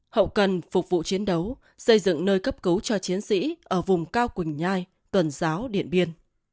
hậu cần phục vụ chiến đấu xây dựng nơi cấp cứu cho chiến sĩ ở vùng cao quỳnh nhai tuần giáo điện biên